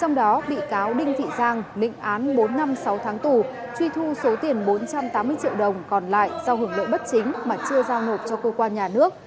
trong đó bị cáo đinh thị giang nịnh án bốn năm sáu tháng tù truy thu số tiền bốn trăm tám mươi triệu đồng còn lại do hưởng lợi bất chính mà chưa giao nộp cho cơ quan nhà nước